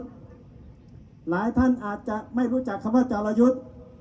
หลายท่านอาจจะไม่รู้จักคำว่าจารยุทธ์